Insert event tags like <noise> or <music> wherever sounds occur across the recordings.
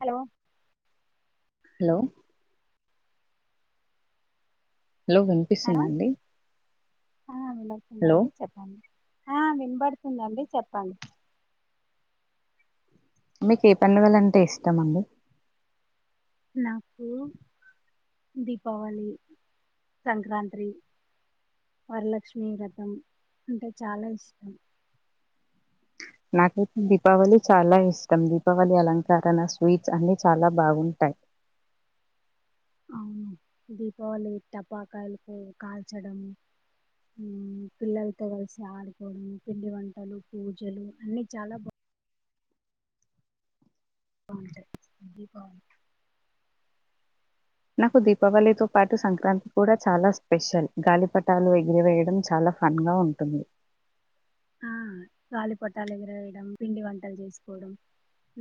Hello hello hello వినిపిస్తుంద hello అండి ఆ హలో వినపడుతుంది చెప్పండి ఆ వినబడుతుందండి చెప్పండి మీకు ఏ పండగలంటే ఇష్టమండి నాకు దీపావళి, సంక్రాంతి, వరలక్ష్మిీ వ్రతం అంటే చాలా ఇష్టం నాకైతే దీపావళి చాలా ఇష్టం దీపావళి అలంకరణ స్వీట్స్ అన్ని చాలా బాగుంటాయి అవును దీపావళి టపాకాయలు కాల్చడము పిల్లలతో కలిసి ఆడుకోవడ పిండి వంటలు పూజలు అన్ని చాలా బాగుయి బాగుంటాయి దీపావళి నాకు దీపావళితో పాటు సంక్రాంతి కూడా చాలా స్పెషల్ గాలిపటాలు ఎగిరివేయడం చాలా ఫన్ గా ఉంటుంది ఆ గాలి పటాలు ఎగరవేయడం పిండి వంటలు చేసుకోవడం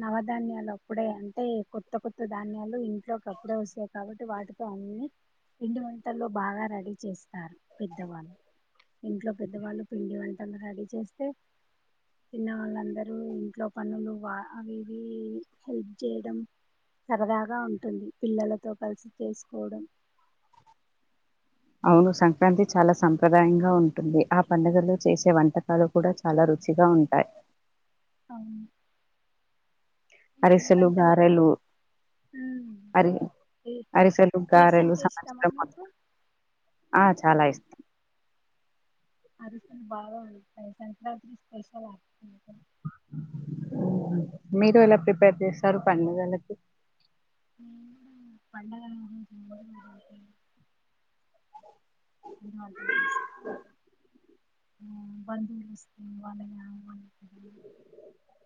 నవధాన్యాలు అప్పుడే అంటే కొత్త కొత్త ధాన్యాలు ఇంట్లోకి అప్పుడే వస్తాయి కాబట్టి వాటితో అన్నిీ పిండి వంటల్లో బాగా రెడీ చేస్త పెద్దవాళ్ళు ఇంట్లో పెద్దవాళ్ళు పిండి వంటలు కానీ చేస్తే చిన్నవాళ్ళందరూ ఇంట్లో పనులు వా అవి ఇవి హెల్ప్ చేయడం సరదాగా ఉంటుంది పిల్లలతో కలిసి చేసుకోవడం అవును సంక్రాంతి చాలా సంప్రదాయంగా ఉంటుంది ఆ పండుగలో చేసే వంటకాలు కూడా చాలా రుచిగా ఉంటాయి అవు అరిసెలు, గారెలు హ్మ్. అరి ఏ అరిసెలు స్వీట్స్ గారెలు అంటే సంవసర ఇష్టమా నీకు మొత్తం ఆ చాలా హ్మ్. ఇష్టం అరిసెలు బాగా ఉంటాయి సంక్రాంతి స్పెషల్ అరిసెలు మీరు ఎలా ప్రిపేర్ చేస్తారు పండుగలకి ఏ పండగాలంలోంచ బంధువు వస్తే వాళ్ళ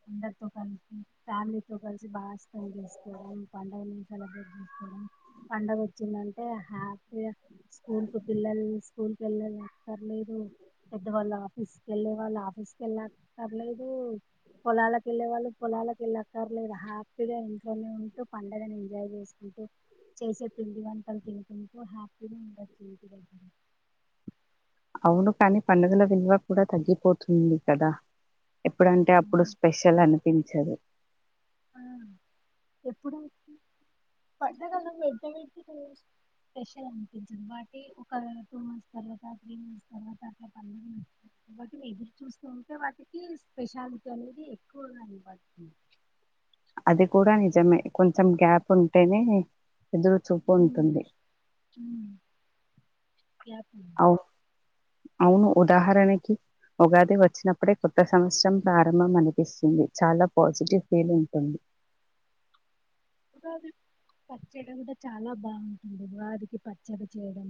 అందరితో కలిపి ఫ్యామిలీతో కలిపి మ బాస్ పం తీసుకోవడం పండుగని పండగ వచ్చిందంటే హ ఏ స్కూల్ స్కూల్ కి వెళ్ళాల పర్లేదు పెద్దవాళ్ళ ఆఫీస్ కీ వెళ్లేవాళ్లు ఆఫీస్కి వెళ్లక్కర్లేదు పొలాలకి వేళ్లే వాళ్ళు పొలాలకి వేళ్ళకర్లేదు హ్యాపీగా ఎన్ ఇక్కడనే ఉంటూ పండగని ఎంజాయ్ చేసుకుంటూ చేసే పిండి వంటలు తినుకుంటూ హ్యాపీగా ఉండొచ్చు <inaudible> ఉండు కానీ పండుగల విలువ కూడా తగ్గిపోతుంది కదా ఎప్పుడంటే అప్పుడు స్పెషల్ అనిపించదు ఆ ఎప్పుడు పంటగాలం పెద్ద పెడిటి స్పెషల్ అనిపించదు వాటి ఒక టూ మంత్స్ తర్వాత త్రీ మంత్స్ తర్వాత పన్నెండు మంత్స్ తర్వాత కాబట్టి ఎదురు చూస్తూ ఉంటే వాటికి స్పెషాలిటీ అనేది ఎక్కువగాని వాటి అది కూడా నిజమే కొంచెం గ్యాప్ ఉంటేనే ఎదురు చూపు ఉంటుంది గ్యాప్ ఉంది. అవు అవును ఉదాహరణకి ఉగాది వచ్చినప్పుడే కొత్త సంవత్సరం ప్రారంభం అనిపిస్తుంది చాలా పాజిటివ్ ఫీల్ ఉంటుంది ఉగాది పచ్చడి అంటే చాలా బాగుంటుంది ఉగాదికి చేయడం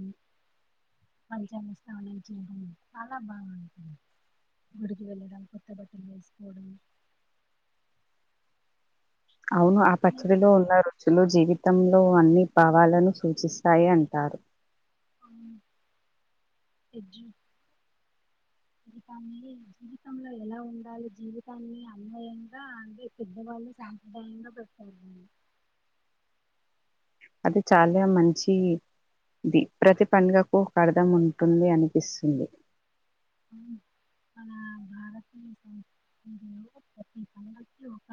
పంచాంగ స్నాానం చేయడం చాలా బాగుంటుంది గుడికి వెళ్ళడం కొత్త బట్టలు వేసుకోవడం అవును ఆ ఇది పచ్చడిలో ఉన్న రుచులు జీవిత్ తంలో అన్ని భావాలను సూచిస్తాయి అంటారు ఆ ఎజీ జీతన్ని జీవితంలో ఎలా ఉండాలి జీవితాన్ని అన్వయంగా అంటే పెద్దవాళ్ళు సాంప్రదాయంగా బతికారు అది చాలా మంచిది ప్రతి పండగకు ఒక అర్థం ఉంటుంది అనిపిస్తుంది మన భారతీయ సంస్కృతిలో ప్రతి పండగకి ఒక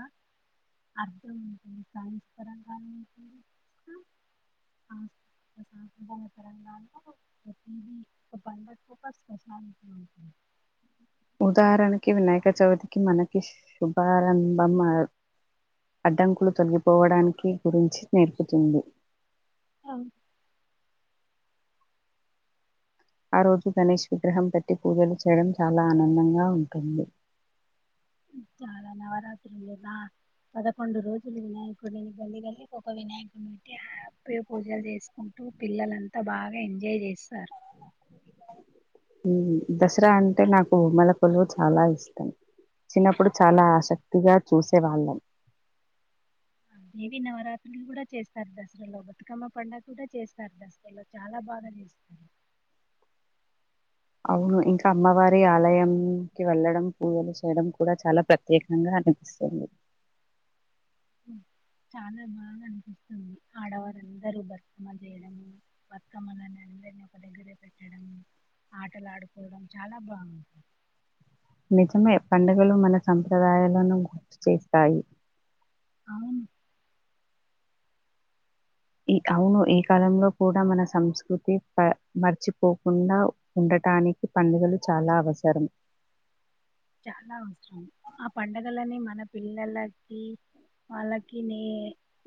అర్థం ఉంటుంది. సైన్స్ పరంగాను ఉంటుంది. సాప్రదాయ పరంగాను ప్రతిదీ ఒక పండగ ఒక స్పెషాలిటీ ఉంటుంది ఉదాహరణకి వినాయక చవితికి మనకి శుభారంభం అ అడ్డంకులు తొలగిపోవడానికి గురించి నేర్పుతుంది. అవు ఆ రోజు గణేష్ విగ్రహం పెట్టి పూజలు చేయడం చాలా ఆనందంగా ఉంటుంది చాలా నవరాత్రులు బ పదకొండు రోజులు వినాయకుడిని గల్లి గల్లి ఒక వినాయకుని పెట్టి హ్యాపీగా పూజలు చేసుకుంటూ పిల్లలంతా బాగా ఎంజాయ్ చేస్తారు. దసరా అంటే నాకు ఉమల కొలువు చాలా ఇష్టం చిన్నప్పుడు చాలా ఆసక్తిగా చూసి వాళ్ందం దేవి నవరాత్రులు కూడా చేస్తారు దసరాలో బతుకమ్మ పడుగ కూడా చేస్తారు దసరాలో చాలా బాగా చేస్తారు అవును ఇంకా అమ్మవారి ఆలయంకి వెళ్ళడం పూజలు చేయడం కూడా చాలా ప్రత్యేకంగా అనిపిస్తుంది. చాలా బాగా అనిపిస్తుంది ఆడవారుందరూ బర్కమ్మ చేయడము బకమ్మలని అందరినీ ఒక దగ్గరే పెట్టడము ఆటలు ఆడుకోవడం చాలా బాగుంటుంది నిజమే పండుగలు మన సంప్రదాయాలను గుర్తు చేస్తాయి. అవును ఈ అవును ఈ కాలంలో కూడా మన సంస్కృతి మర్చిపోకుండా ఉండటానికి పండుగలు చాలా అవసరం చాలా అవసరం ఆ పండగలని మన పిల్లలకి వాళ్ళకి నే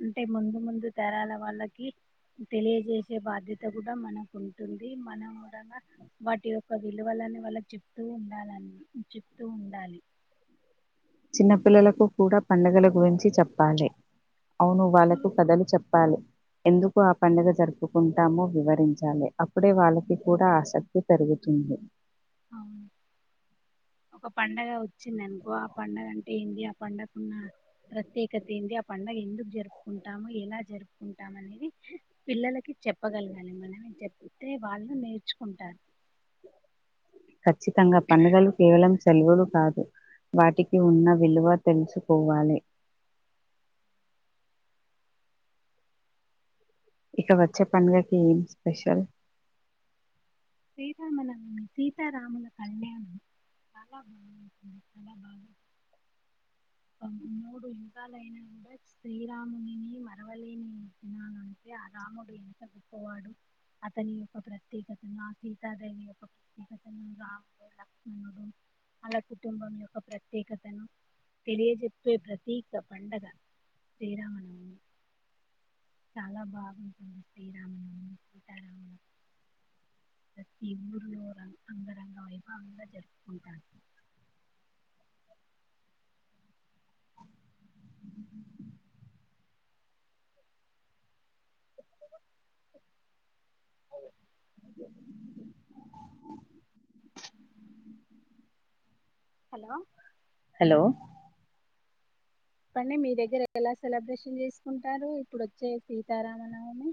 అంటే ముందు ముందు తరాల వాళ్ళకి తెలియజేసే బాధ్యత కూడా మనకుంటుంది మనం కూడా వాటి యొక్క విలువలని వాళ్ళకి చెప్తూ ఉండాలని తూ ఉండాలి చిన్న పిల్లలకు కూడా పండుగల గురించి చెప్పాలి అవును వాళ్ళకు కథలు చెప్పాలి ఎందుకు ఆ పండుగ జరుపుకుంటామో వివరించాలి అప్పుడే వాళ్ళకి కూడా ఆసక్తి పెరుగుతుంది. అవును ఒక పండగ చిన్ననుకో ఆ పండుగంట దయా పంటకున్న ప్రత్యేకత ఏంది ఆ పండగ ఎందు జరుపుకుంటాము ఎలా జరుపుకుంటాము అనేది పిల్లలకి చెప్పగలగాలి మనమే చెప్తే వాళ్ళు నేర్చుకుంటారు ఖచ్చితంగా పండుగలు కేవలం సెలవులు కాదు వాటికి ఉన్న విలువ తెలుసుకోవాలి ఇక వచ్చే పంగకి ఏం స్పెషల్ శ్రీరాముల సీతాముల కళ్యాణం చాలా బాగుంది చాలా బాగాంది మూడు యుగాలయినా కూడా శ్రీరామునిని మరవలేని తిననుంటే ఆ రాముడు ఎంత గొప్పవాడు అతని యొక్క ప్రత్యేకతను సీతాదేవిని యొక్క ప్రత్యేకతను రాము లక్ష్మణుడు అళ కుటుంబం యొక్క ప్రత్యేకతను తెలియజెప్పే ప్రతీక పండగ శ్రీరామనవుని చాలా బాగుంటుంది శ్రీరామనవని సీతారాము ప్రతి ఊరిలో ర అంగరంగ వైభావంగా జరుపుకుంటారు హలో హలో ఇప్పండి మీ దగ్గర ఎలా సెలబ్రేషన్ చేసుకుంటారు ఇప్పుడు వచ్చే సీతారామనవమి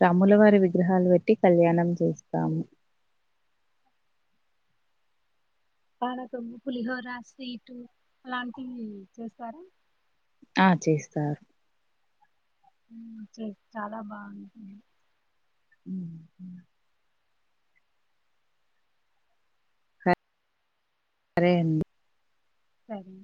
రాముల వారి విగ్రహాలు పెట్టి కళ్యాణం చేస్తాము పనకము పులిహోర స్వీటు అలాంటివి చేస్తారా ఆ చేస్తారు చాలా బాగుంటుంది ఉ సరే అండి సరే